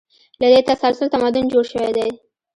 له دې تسلسل تمدن جوړ شوی دی.